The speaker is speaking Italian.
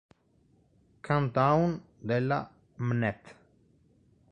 Countdown" della Mnet.